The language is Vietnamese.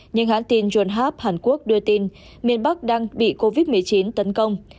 nhưng hãn tin john harp hàn quốc đưa tin miền bắc đang bị covid một mươi chín tấn công